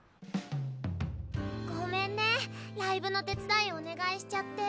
ごめんねライブの手伝いお願いしちゃって。